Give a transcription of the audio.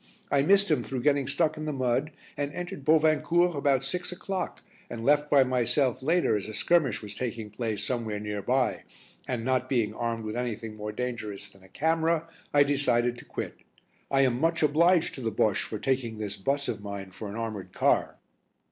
I missed him through getting stuck in the mud, and entered Bovincourt about six o'clock and left by myself later as a skirmish was taking place somewhere near by, and not being armed with anything more dangerous than a camera, I decided to quit. I am much obliged to the Bosche for taking this bus of mine for an armoured car."